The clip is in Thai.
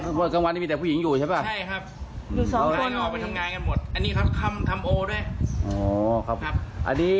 ที่นี่นะดังกวันมีอันนี้